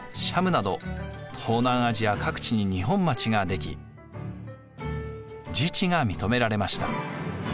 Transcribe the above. シャムなど東南アジア各地に日本町が出来自治が認められました。